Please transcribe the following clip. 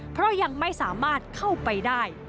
เพราะยังไม่สามารถเข้าไปได้